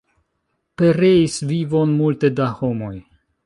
Pereis vivon multe da homoj.